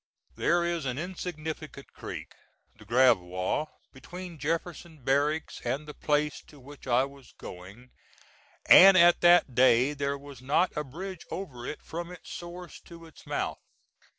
There is an insignificant creek the Gravois between Jefferson Barracks and the place to which I was going, and at that day there was not a bridge over it from its source to its mouth.